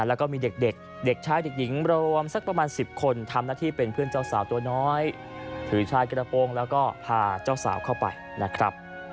แล้วก็มีเด็กเด็กชายเด็กหญิงรวมสักประมาณ๑๐คนทำหน้าที่เป็นเพื่อนเจ้าสาวตัวน้อยถือชายกระโปรงแล้วก็พาเจ้าสาวเข้าไปนะครับ